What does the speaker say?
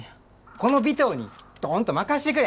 この尾藤にドンと任してくれ！